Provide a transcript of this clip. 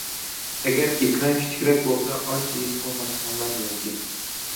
ئەگەر ئېكران كىچىكرەك بولسا ئانچە ھېس قىلماسلىقىڭلار مۇمكىن.